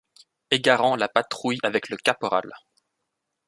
Egarant la patrouille avec le caporal